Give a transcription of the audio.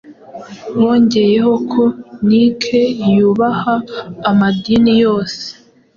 Bongeyeho ko Nike yubaha amadini yose